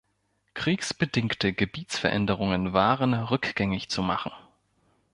Kriegsbedingte Gebietsveränderungen waren rückgängig zu machen.